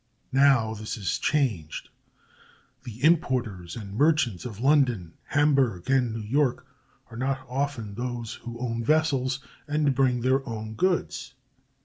Now this is changed. The importers and merchants of London, Hamburg, and New York are not often those who own vessels and bring their own goods.